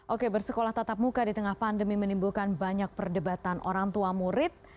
oke bersekolah tatap muka di tengah pandemi menimbulkan banyak perdebatan orang tua murid